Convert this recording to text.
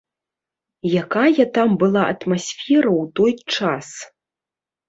Якая там была атмасфера ў той час?